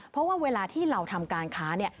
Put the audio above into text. เพราะว่าเวลาที่เราทำการค้าเนี่ย